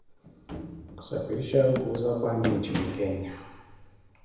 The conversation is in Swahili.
kusafirisha au kuuza bangi nchini Kenya